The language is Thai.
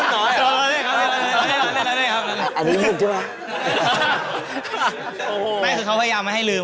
แต่คือเขาก็มาประชาติให้ลืม